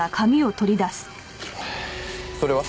それは？